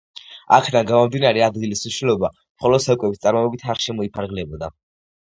აქედან გამომდინარე, ადგილის მნიშვნელობა მხოლოდ საკვების წარმოებით არ შემოიფარგლებოდა.